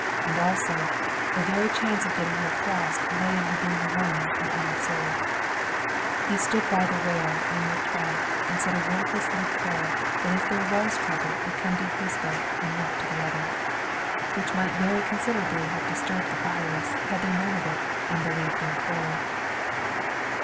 And also, the very chance of getting her across lay in her being alone and unobserved. So he stood by the rail and looked back and said a wordless little prayer that if there was trouble it come to his boat and not to the other. Which might very considerably have disturbed the buyers had they known of it and believed in prayer.